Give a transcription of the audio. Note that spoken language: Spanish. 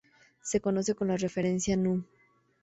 Se conoce con la referencia núm.